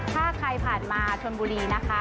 ถ้าใครผ่านมาชนบุรีนะคะ